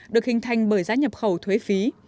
được hình thành bởi giá nhập khẩu thuế phí